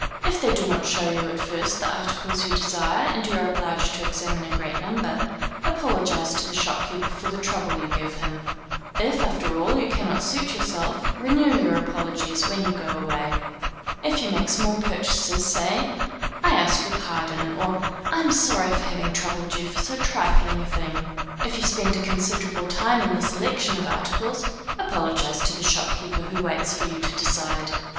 If they do not show you at first the articles you desire, and you are obliged to examine a great number, apologize to the shopkeeper for the trouble you give him. If, after all you cannot suit yourself, renew your apologies, when you go away. If you make small purchases, say, I ask your pardon, or I am sorry for having troubled you for so trifling a thing. If you spend a considerable time in the selection of articles, apologize to the shopkeeper who waits for you to decide.